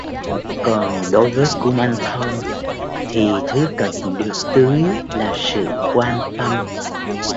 còn đối với kumanthong thì thứ cần được tưới là sự quan tâm